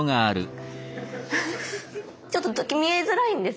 ちょっと見えづらいんです